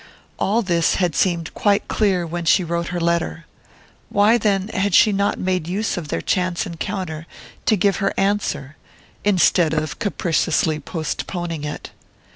All this had seemed quite clear when she wrote her letter; why, then, had she not made use of their chance encounter to give her answer, instead of capriciously postponing it?